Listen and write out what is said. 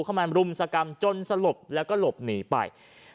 มารุมสกรรมจนสลบแล้วก็หลบหนีไป